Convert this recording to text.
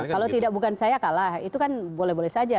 kalau tidak bukan saya kalah itu kan boleh boleh saja